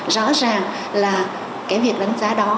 rõ ràng là cái việc đánh giá đó